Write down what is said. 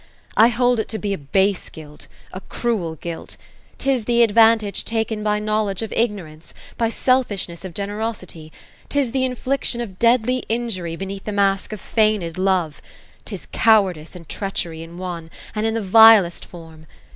I hold it to be a base guilt — a cruel guilt ; 'tis the advantage taken by know ledge of ignorance, — by selfishness of generosity ; 'tis the infliction of deadly injury, beneath the mask of feigned love. 'Tis cowardice and treachery in one, and in the vilest form.